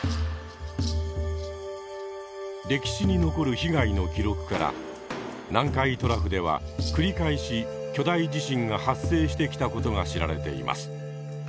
歴史に残る被害の記録から南海トラフでは繰り返し巨大地震が発生してきた事が知られています。